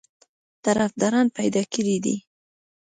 طرفداران پیدا کړي دي.